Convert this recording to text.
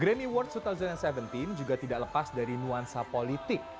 grany awards dua ribu tujuh belas juga tidak lepas dari nuansa politik